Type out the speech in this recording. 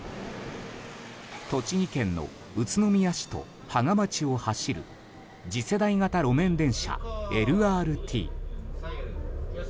栃木県の宇都宮市と芳賀町を走る次世代型路面電車・ＬＲＴ。